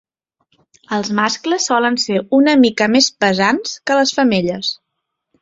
Els mascles solen ser una mica més pesants que les femelles.